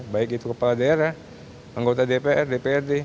baik itu kepala daerah anggota dpr dprd